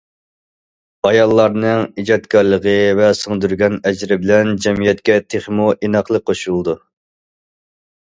ئاياللارنىڭ ئىجادكارلىقى ۋە سىڭدۈرگەن ئەجرى بىلەن جەمئىيەتكە تېخىمۇ ئىناقلىق قوشۇلىدۇ.